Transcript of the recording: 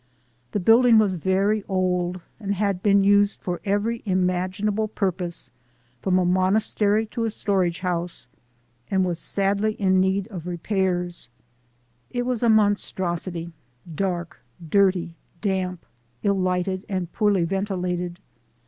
The building was very old and had been used for every imaginable purpose, from a monas tery to a storage house, and was sadly in need of repairs. It was a monstrosity, dark, dirty, damp, ill lighted and poorly ventilated.